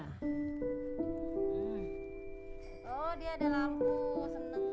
oh dia ada lampu senang